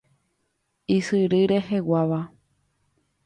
Ysyry reheguáva.